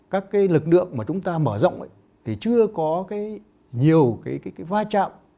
các cái lực lượng mà chúng ta mở rộng ấy thì chưa có nhiều cái va chạm